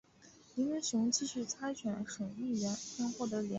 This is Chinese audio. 林文雄继续参选省议员并获得连任。